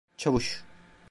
Çavuş.